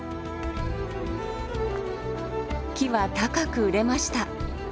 木は高く売れました。